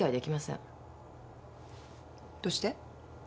どうして？